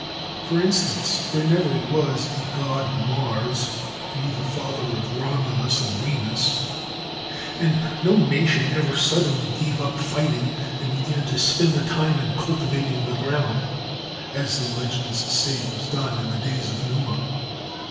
For in stance, there never was a god Mars to be the father of Romulus and Remus; and no nation ever suddenly gave up fighting and began to spend the time in cultivating the ground, as the legends say was done in the days of Numa.